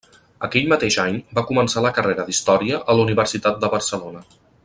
Aquell mateix any va començar la carrera d'història a la Universitat de Barcelona.